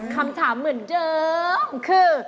คำถามเหมือนเดิมคือ